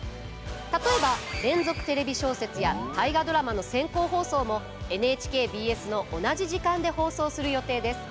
例えば「連続テレビ小説」や「大河ドラマ」の先行放送もＮＨＫＢＳの同じ時間で放送する予定です。